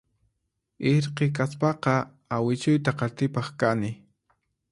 Irqi kaspaqa awichuyta qatipaq kani